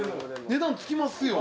「値段つきますよ」